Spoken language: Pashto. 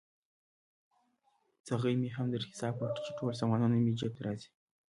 څغۍ مې هم در حساب کړه، چې ټول سامانونه مې جفت راځي.